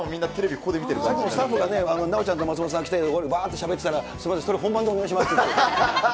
ここでスタッフが直ちゃんと松本さん来て、ばーっとしゃべってたら、すみません、それ、本番でお願いしますと。